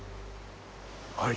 はい。